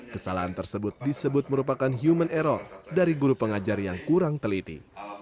kesalahan tersebut disebut merupakan human error dari guru pengajar yang kurang teliti